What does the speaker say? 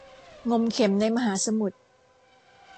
งมเข็มในมหาสมุทร